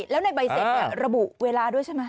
แล้วในใบเสร็จระบุเวลาด้วยใช่ไหม